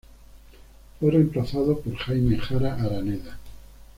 Fue reemplazado por Jaime Jara Araneda.